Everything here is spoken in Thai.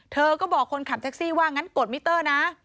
เธอก็บอกคนขับแท็กซี่ว่างั้นกดมิเตอร์นะ